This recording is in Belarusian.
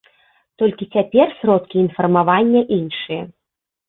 Толькі цяпер сродкі інфармавання іншыя.